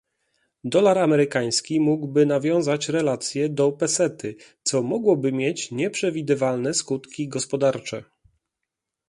Dolar amerykański mógłby nawiązać relację do pesety, co mogłoby mieć nieprzewidywalne skutki gospodarcze